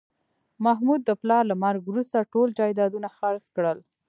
محمود د پلار له مرګه وروسته ټول جایدادونه خرڅ کړل